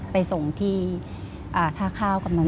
ไปส่งที่ท่าข้าวกำลัง